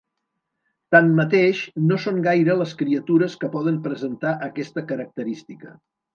Tanmateix, no són gaire les criatures que poden presentar aquesta característica.